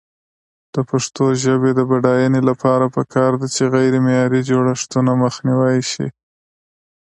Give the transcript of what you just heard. د پښتو ژبې د بډاینې لپاره پکار ده چې غیرمعیاري جوړښتونه مخنیوی شي.